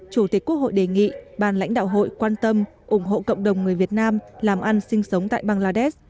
chủ tịch quốc hội đề nghị bàn lãnh đạo hội quan tâm ủng hộ cộng đồng người việt nam làm ăn sinh sống tại bangladesh